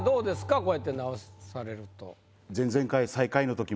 こうやって直されると。